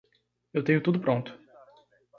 Eu tenho tudo pronto.